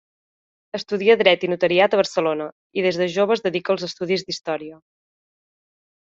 Estudia Dret i notariat a Barcelona, i des de jove es dedica als estudis d'història.